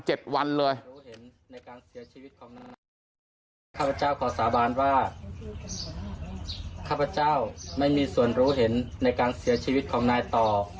เลยรู้เห็นในการเสียชีวิตของข้าพเจ้าขอสาบานว่าข้าพเจ้าไม่มีส่วนรู้เห็นในการเสียชีวิตของนายต่อ